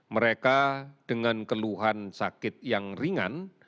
mereka dengan keluhan sakit yang ringan